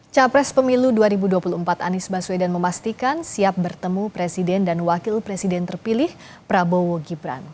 capres pemilu dua ribu dua puluh empat anies baswedan memastikan siap bertemu presiden dan wakil presiden terpilih prabowo gibran